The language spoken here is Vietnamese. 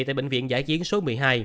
tại bệnh viện giả chiến số một mươi hai